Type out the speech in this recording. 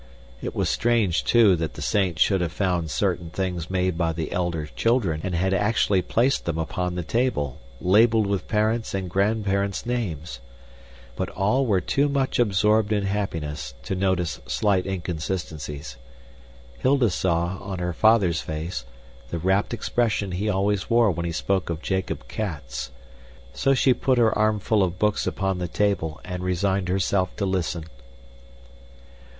It was strange, too, that the saint should have found certain things made by the elder children and had actually placed them upon the table, labeled with parents' and grandparents' names. But all were too much absorbed in happiness to notice slight inconsistencies. Hilda saw, on her father's face, the rapt expression he always wore when he spoke of Jakob Cats, so he put her armful of books upon the table and resigned herself to listen.